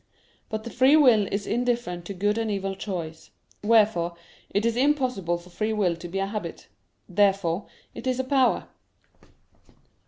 But the free will is indifferent to good and evil choice: wherefore it is impossible for free will to be a habit. Therefore it is a power.